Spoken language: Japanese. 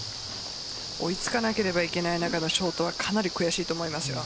追いつかなければいけない中でのショートはかなり悔しいと思います。